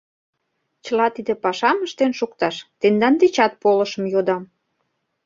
Чыла тиде пашам ыштен шукташ тендан дечат полышым йодам.